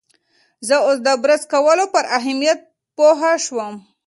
زه اوس د برس کولو پر اهمیت پوه شوم.